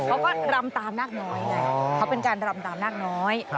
เขาก็รำตามนาคน้อยไงเขาเป็นการรำตามนาคน้อย